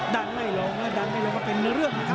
ดันไม่ล้มดันไม่ล้มก็เป็นเรื่องครับ